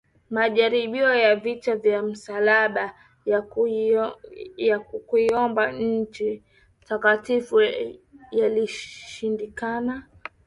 majaribio ya vita vya msalaba ya kuikomboa nchi takatifu yalishindikana